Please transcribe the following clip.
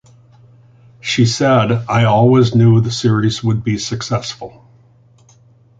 She said, I always knew the series would be successful.